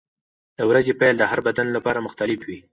د ورځې پیل د هر بدن لپاره مختلف وي.